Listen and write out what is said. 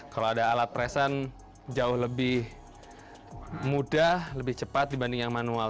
kalau ada alat presen jauh lebih mudah lebih cepat dibanding yang manual